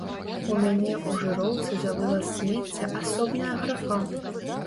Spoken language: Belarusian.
У мяне ў жыроўцы за вываз смецця асобная графа!